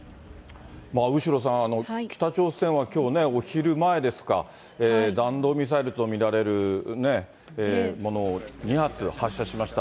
後呂さん、北朝鮮はきょうね、お昼前ですか、弾道ミサイルと見られるものを２発発射しました。